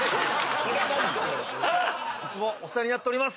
いつもお世話になっております。